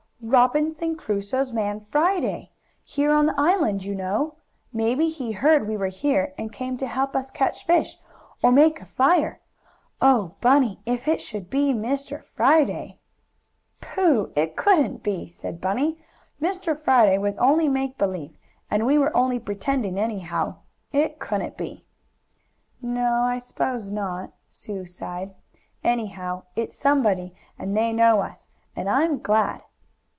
"Robinson Crusoe's man Friday. Here on the island, you know. Maybe he heard we were here, and came to help us catch fish, or make a fire. Oh, Bunny, if it should be Mr. Friday!" "Pooh! It couldn't be," said Bunny. "Mr. Friday was only make believe, and we were only pretending, anyhow. It couldn't be!" "No, I 'spose not," and Sue sighed. "Anyhow, it's somebody, and they know us, and I'm glad!"